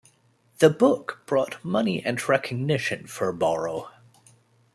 The book brought money and recognition for Borrow.